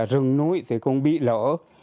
rừng núi cũng bị lỡ